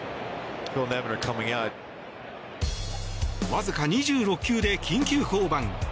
わずか２６球で緊急降板。